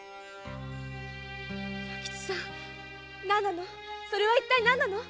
弥吉さん何なのそれは一体何なの？